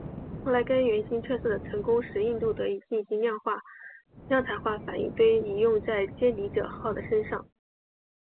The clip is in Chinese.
后来该原型测试的成功使印度得以进行量产化反应堆以用在歼敌者号的身上。